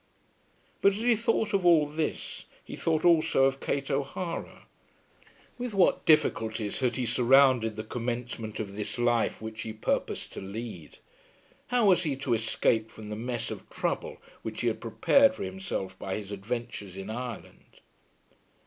But as he thought of all this, he thought also of Kate O'Hara. With what difficulties had he surrounded the commencement of this life which he purposed to lead! How was he to escape from the mess of trouble which he had prepared for himself by his adventures in Ireland.